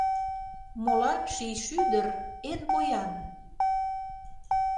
Молан ший шӱдыр эн поян?